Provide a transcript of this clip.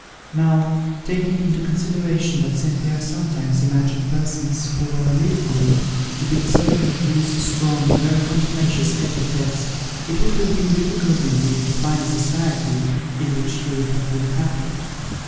Now, taking into consideration that St. Pierre sometimes imagined persons who were really good, to be deserving of these strong and very contumacious epithets, it would have been difficult indeed to find a society in which he could have been happy.